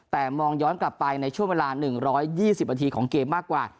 แต่มองย้อนกลับไปในช่วงเวลา๑๒๐นาทีของเกมมากกว่า